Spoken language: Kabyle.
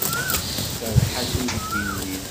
Serreḥ-as i uydi-nni.